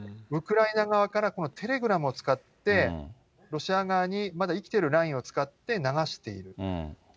ウクライナ側からテレグラムを使ってロシア側に、まだ生きてるラインを使って流している。